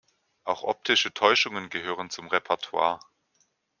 Auch optische Täuschungen gehören zum Repertoire.